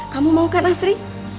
kamu mau kan asri